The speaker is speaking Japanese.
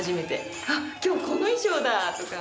「あっ今日この衣装だ」とか。